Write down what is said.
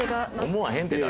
思わへんて誰も。